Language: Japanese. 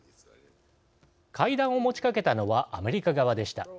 会談を持ちかけたのはアメリカ側でした。